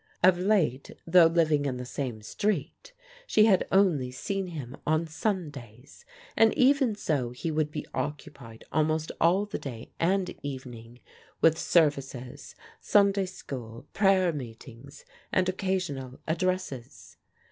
Of late, though living in the same street, she had only seen him on Sundays; and even so he would be occupied almost all the day and evening with services, Sunday school, prayer meetings, and occasional addresses.